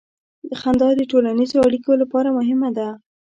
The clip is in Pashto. • خندا د ټولنیزو اړیکو لپاره مهمه ده.